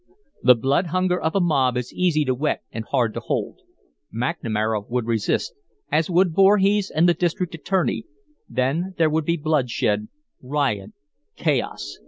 The blood hunger of a mob is easy to whet and hard to hold. McNamara would resist, as would Voorhees and the district attorney, then there would be bloodshed, riot, chaos.